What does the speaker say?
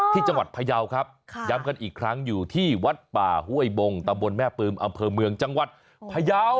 ที่จังหวัดพยาวครับย้ำกันอีกครั้งอยู่ที่วัดป่าห้วยบงตำบลแม่ปืมอำเภอเมืองจังหวัดพยาว